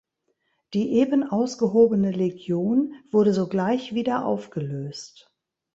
Die eben ausgehobene Legion wurde sogleich wieder aufgelöst.